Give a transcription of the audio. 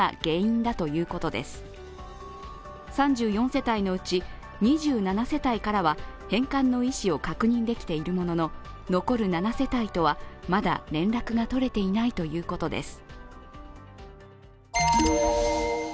３４世帯のうち２７世帯からは返還の意思を確認できているものの残る７世帯とはまだ連絡が取れていないということです。